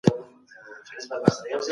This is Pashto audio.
د انسان دنده په مځکه کي د خدای عبادت دی.